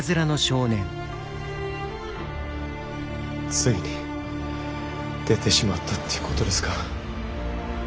ついに出てしまったということですか。